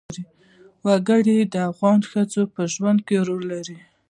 وګړي د افغان ښځو په ژوند کې رول لري.